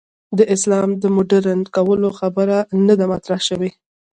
د اسلام د مډرن کولو خبره نه ده مطرح شوې.